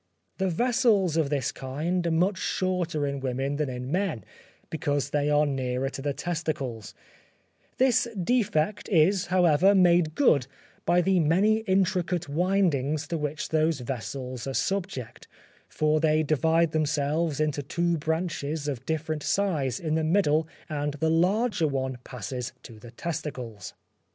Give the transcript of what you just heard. The vessels of this kind are much shorter in women than in men, because they are nearer to the testicles; this defect is, however, made good by the many intricate windings to which those vessels are subject; for they divide themselves into two branches of different size in the middle and the larger one passes to the testicles.